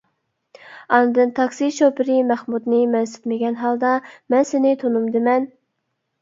ئاندىن تاكسى شوپۇرى مەخمۇتنى مەنسىتمىگەن ھالدا مەن سېنى تونۇمدىمەن!